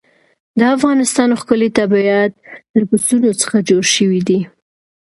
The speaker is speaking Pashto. د افغانستان ښکلی طبیعت له پسونو څخه جوړ شوی دی.